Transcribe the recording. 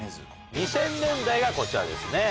２０００年代がこちらですね。